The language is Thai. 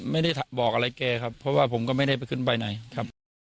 ไม่ได้บอกอะไรแกครับเพราะว่าผมก็ไม่ได้ไปขึ้นไปไหนครับ